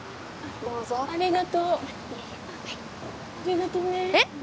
どうぞありがとうありがとねえっ！？